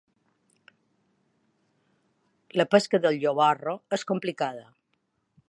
La pesca del llobarro és complicada.